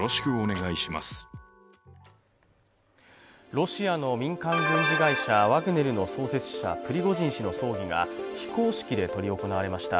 ロシアの民間軍事会社ワグネルの創設者、プリゴジン氏の葬儀が非公式で執り行われました。